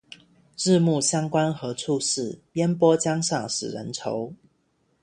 日暮乡关何处是？烟波江上使人愁。